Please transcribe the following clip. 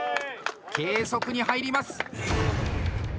計測に入ります。